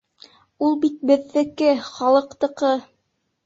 Ул бит беҙҙеке, халыҡтыҡы.